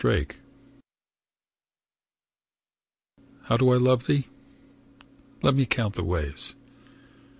XLIII How do I love thee? Let me count the ways.